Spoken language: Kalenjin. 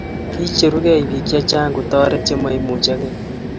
kicherugei biik che chang' kotoret che maimuchigei